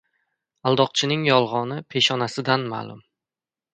• Aldoqchining yolg‘oni peshonasidan ma’lum.